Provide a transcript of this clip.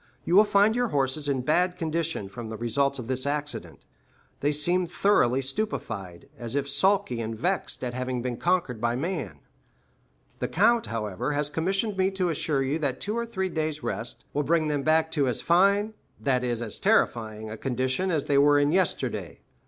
You will find your horses in bad condition, from the results of this accident; they seem thoroughly stupefied, as if sulky and vexed at having been conquered by man. The count, however, has commissioned me to assure you that two or three days' rest, with plenty of barley for their sole food during that time, will bring them back to as fine, that is as terrifying, a condition as they were in yesterday.